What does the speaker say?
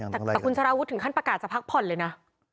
แต่คุณสารวุฒิถึงขั้นประกาศจะพักผ่อนเลยนะ